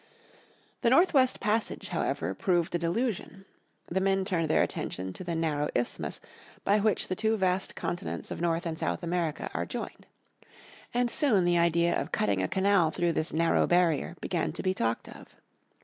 The North West Passage, however, proved a delusion. The men turned their attention to the narrow isthmus by which the two vast continents of North and South America are joined. And soon the idea of cutting a canal through this narrow barrier began to be talked of.